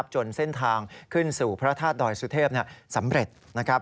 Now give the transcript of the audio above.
จนเส้นทางขึ้นสู่พระธาตุดอยสุเทพสำเร็จ